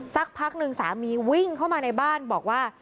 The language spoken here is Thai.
สักพักหนึ่งสามีวิ่งเข้ามาในบ้านบอกว่า